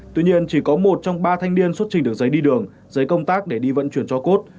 tuy nhiên chỉ có một trong ba thanh niên xuất trình được giấy đi đường giấy công tác để đi vận chuyển cho cốt